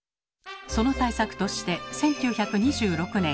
その対策として１９２６年。